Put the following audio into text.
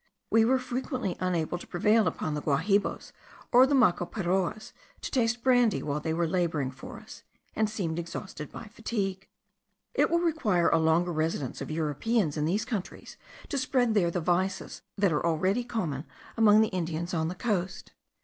We were frequently unable to prevail upon the Guahibos, or the Maco Piroas, to taste brandy while they were labouring for us, and seemed exhausted by fatigue. It will require a longer residence of Europeans in these countries to spread there the vices that are already common among the Indians on the coast.